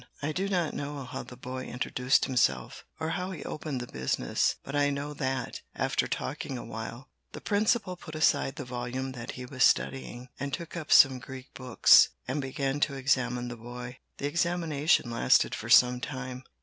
I do not know how the boy introduced himself, or now he opened the business, but I know that, after talking awhile, the principal put aside the volume that he was studying, and took up some Greek books, and began to examine the boy. The examination lasted for some time.